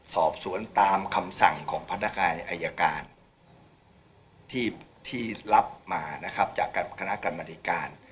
สอบสวนตามคำสั่งของพนักงานอายการที่รับมานะครับจากคณะกรรมธิการ